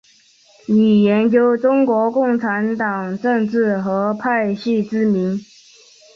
以研究中国共产党政治和派系知名。